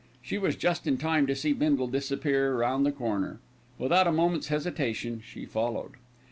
She was just in time to see Bindle disappear round the corner. Without a moment's hesitation she followed.